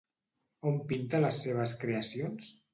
On pinta les seves creacions?